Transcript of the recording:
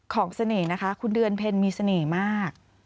เสน่ห์นะคะคุณเดือนเพ็ญมีเสน่ห์มาก